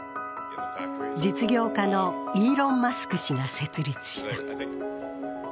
実業家のイーロン・マスク氏が設立した。